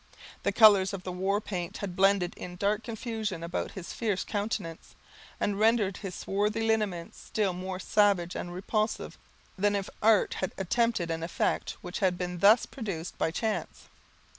The colors of the war paint had blended in dark confusion about his fierce countenance, and rendered his swarthy lineaments still more savage and repulsive than if art had attempted an effect which had been thus produced by chance.